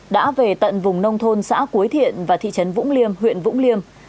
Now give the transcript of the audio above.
đã về tận vùng nông thôn xã cuối thiện và thị trấn vũng liêm huyện vũng liêm